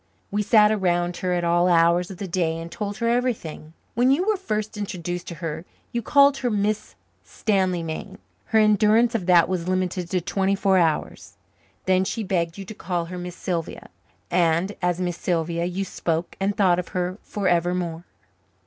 We sat around her at all hours of the day and told her everything. When you were first introduced to her you called her Miss Stanleymain. Her endurance of that was limited to twenty four hours. Then she begged you to call her Miss Sylvia, and as Miss Sylvia you spoke and thought of her forevermore.